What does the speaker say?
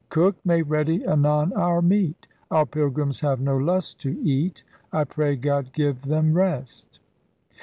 Cook, make ready anon our meat! Our pylgrymms have no lust to eat: I pray God give them rest.